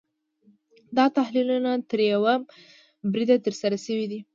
دا تحلیلونه تر یوه بریده ترسره شوي دي.